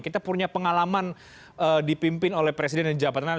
kita punya pengalaman dipimpin oleh presiden di jabatan